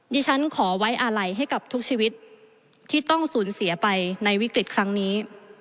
ดิฉันขอไว้อาลัยให้กับทุกชีวิตที่ต้องสูญเสียไปในวิกฤตครั้งนี้